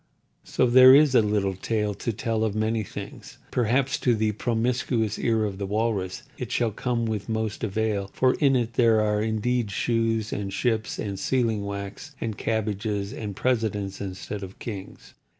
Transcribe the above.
So, there is a little tale to tell of many things. Perhaps to the promiscuous ear of the Walrus it shall come with most avail; for in it there are indeed shoes and ships and sealing wax and cabbage palms and presidents instead of kings.